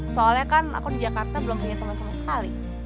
soalnya kan aku di jakarta belum punya teman sama sekali